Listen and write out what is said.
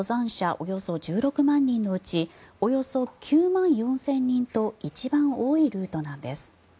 およそ１６万人のうちおよそ９万４０００人と一番多いルートなんです。